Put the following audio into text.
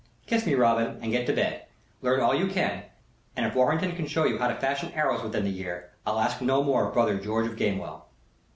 Kiss me, Robin, and get to bed. Learn all you can; and if Warrenton can show you how to fashion arrows within the year I'll ask no more of brother George of Gamewell."